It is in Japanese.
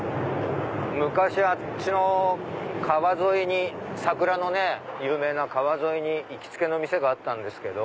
昔あっちの川沿い桜の有名な川沿いに行きつけの店があったんですけど。